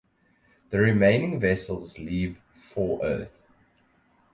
The remaining vessels leave for Earth.